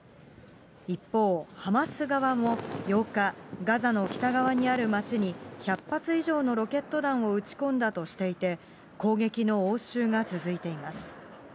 一方、ハマス側も８日、ガザの北側にある町に、１００発以上のロケット弾を撃ち込んだとしていて、攻撃の応酬が続いています。